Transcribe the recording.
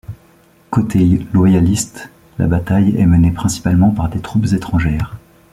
Côté loyaliste, la bataille est menée principalement par des troupes étrangères.